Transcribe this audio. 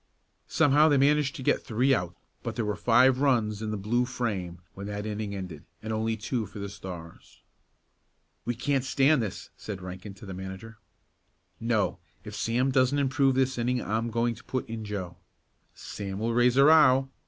Somehow they managed to get three out, but there were five runs in the Blue frame when that inning ended, and only two for the Stars. "We can't stand this," said Rankin to the manager. "No, if Sam doesn't improve this inning I'm going to put in Joe." "Sam will raise a row."